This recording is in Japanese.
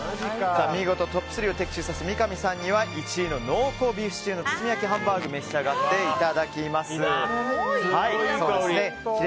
見事トップ３を的中させた三上さんには１位の濃厚ビーフシチューの包み焼きハンバーグ召し上がっていただきます。